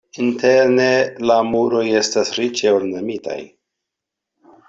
Interne la muroj estas riĉe ornamitaj.